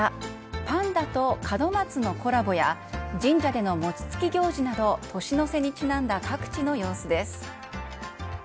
パンダと門松のコラボや、神社での餅つき行事など、年の瀬にちなんだ各地の様子です。